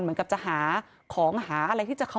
เหมือนกับจะหาของหาอะไรที่จะเขา